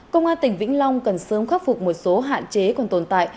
công an tỉnh vĩnh long cần sớm khắc phục một số hạn chế còn tồn tại